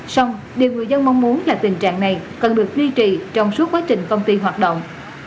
xong điều người dân mong muốn là tình trạng này cần được duy trì trong suốt quá trình công ty hoạt động